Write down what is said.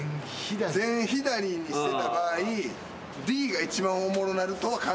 全左にしてた場合Ｄが一番おもろなるとは考えるよな